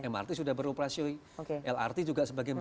mrt sudah beroperasi